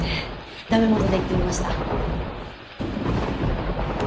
ダメ元で言ってみました。